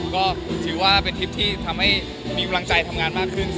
ก็ถือว่าเป็นทริปที่สุดชื่นร้อยมากขึ้น